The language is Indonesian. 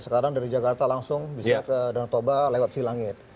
sekarang dari jakarta langsung bisa ke danau toba lewat silangit